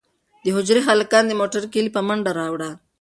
د حجرې هلکانو د موټر کیلي په منډه راوړه.